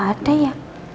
gak ada ya